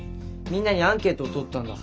みんなにアンケートをとったんだ。